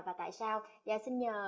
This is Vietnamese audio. và tại sao và xin nhờ